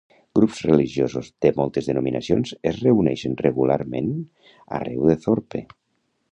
Grups religiosos de moltes denominacions es reuneixen regularment arreu de Thorpe.